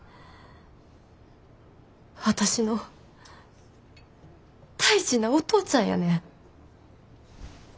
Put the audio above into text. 私の大事なお父ちゃんやねん。